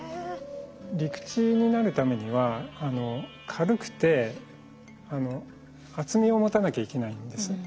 陸地になるためには軽くて厚みを持たなきゃいけないんです。